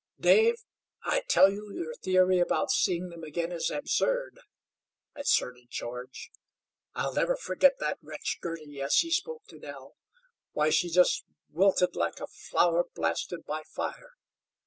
"Dave, I tell you your theory about seeing them again is absurd," asserted George. "I'll never forget that wretch, Girty, as he spoke to Nell. Why, she just wilted like a flower blasted by fire.